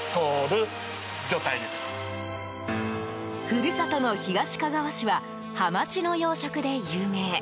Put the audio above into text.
故郷の東かがわ市はハマチの養殖で有名。